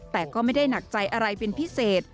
แต่ก็ไม่ได้หนักใจอะไรเป็นพิเศษ